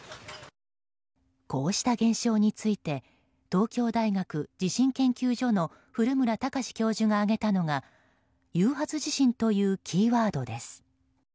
こうした現象について東京大学地震研究所の古村孝志教授が挙げたのが誘発地震というキーワードです。